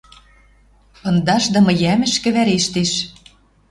Пындашдым йӓмӹшкӹ вӓрештеш